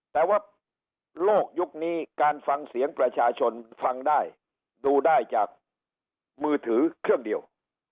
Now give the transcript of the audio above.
แต่ว่าโลกยุคนี้การฟังเสียงประชาชนฟังได้ดูได้จากมือถือเครื่องเดียว